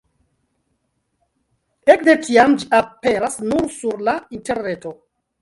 Ekde tiam ĝi aperas nur sur la interreto.